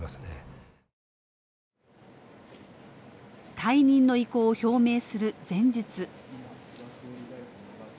退任の意向を表明する前日。